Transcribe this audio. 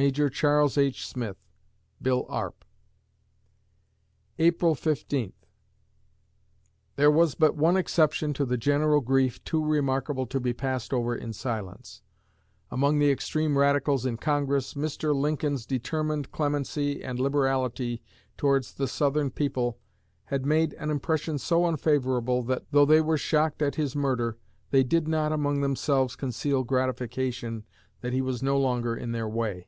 MAJOR CHARLES H. SMITH (Bill Arp) April Fifteenth There was but one exception to the general grief too remarkable to be passed over in silence. Among the extreme Radicals in Congress, Mr. Lincoln's determined clemency and liberality towards the Southern people had made an impression so unfavorable that, though they were shocked at his murder, they did not, among themselves, conceal gratification that he was no longer in their way.